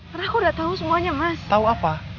karena aku udah tau semuanya mas